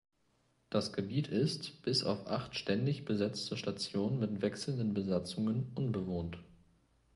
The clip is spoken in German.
Das Gebiet ist bis auf acht ständig besetzte Stationen mit wechselnden Besatzungen unbewohnt.